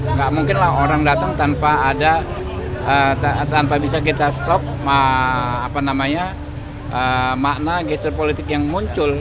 nggak mungkin lah orang datang tanpa ada tanpa bisa kita stop makna gestur politik yang muncul